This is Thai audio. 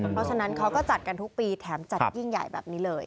เพราะฉะนั้นเขาก็จัดกันทุกปีแถมจัดยิ่งใหญ่แบบนี้เลย